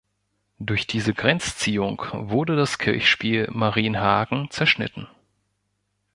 Durch diese Grenzziehung wurde das Kirchspiel Marienhagen zerschnitten.